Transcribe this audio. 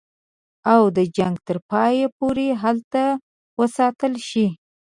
او د جنګ تر پایه پوري هلته وساتل شي.